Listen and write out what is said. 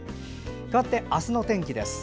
かわって、明日の天気です。